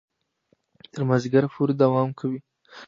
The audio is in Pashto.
تر مازیګره پورې دوام کوي.